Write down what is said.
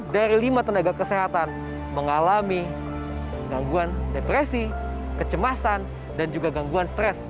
dari lima tenaga kesehatan mengalami gangguan depresi kecemasan dan juga gangguan stres